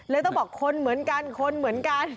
ต้องบอกคนเหมือนกันคนเหมือนกัน